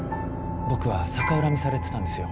僕は逆恨みされてたんですよ。